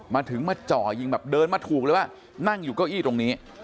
มาถึงมาจ่อยิงแบบเดินมาถูกเลยว่านั่งอยู่เก้าอี้ตรงนี้